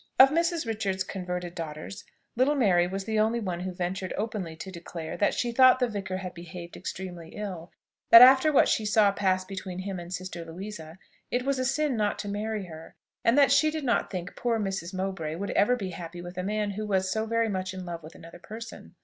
Of Mrs. Richards's converted daughters, little Mary was the only one who ventured openly to declare that she thought the vicar had behaved extremely ill; that after what she saw pass between him and sister Louisa, it was a sin not to marry her; and that she did not think poor Mrs. Mowbray would ever be happy with a man who was so very much in love with another person.